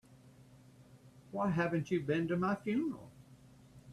Why haven't you been to my funeral?